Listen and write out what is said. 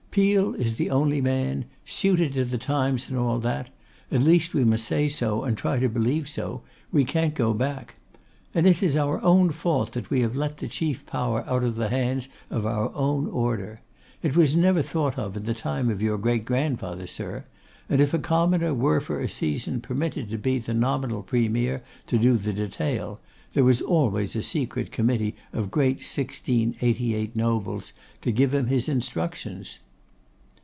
Peel is the only man; suited to the times and all that; at least we must say so, and try to believe so; we can't go back. And it is our own fault that we have let the chief power out of the hands of our own order. It was never thought of in the time of your great grandfather, sir. And if a commoner were for a season permitted to be the nominal Premier to do the detail, there was always a secret committee of great 1688 nobles to give him his instructions.